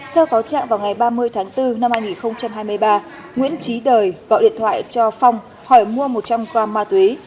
theo cáo trạng vào ngày ba mươi tháng bốn năm hai nghìn hai mươi ba nguyễn trí đời gọi điện thoại cho phong hỏi mua một trăm linh gram ma túy